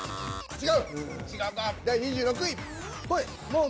違う。